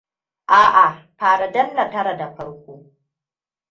A'a fara danna tara da farko.